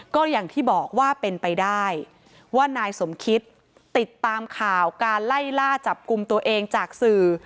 ก็อย่างที่บอกว่าเป็นไปได้ว่านายสมคิตติดตามข่าวการไล่ล่าจับกลุ่มตัวเองจากสื่อ